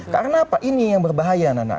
karena apa ini yang berbahaya anak anak